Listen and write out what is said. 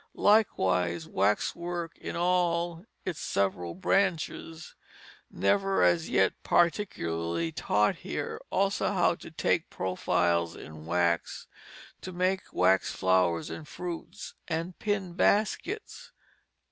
Likewise waxwork in all its several branches, never as yet particularly taught here; also how to take profiles in wax, to make wax flowers and fruits and pin baskets."